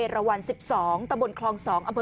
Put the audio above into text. กลุ่มหนึ่งก็คือ